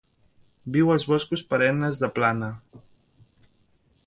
Viu als boscos perennes de plana.